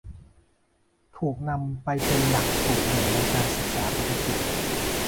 ถูกนำไปเป็นหลักสูตรหนึ่งในการศึกษาปกติ